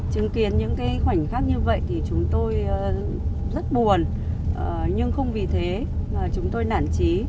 chứng kiến những khoảnh khắc như vậy thì chúng tôi rất buồn nhưng không vì thế chúng tôi nản trí